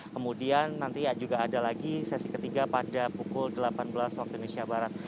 kemudian nanti juga ada lagi sesi ketiga pada pukul delapan belas waktu indonesia barat